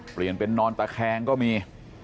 เปลี่ยนเป็นนอนตะแคงก็มี